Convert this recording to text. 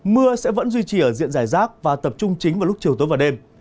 mưa sẽ vẫn duy trì ở diện giải rác và tập trung chính vào lúc chiều tối và đêm